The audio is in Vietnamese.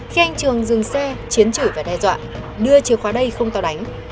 khi anh trường dừng xe chiến chửi và đe dọa đưa chìa khóa đây không tàu đánh